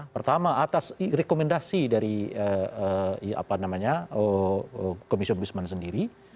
pertama atas rekomendasi dari komisi ombudsman sendiri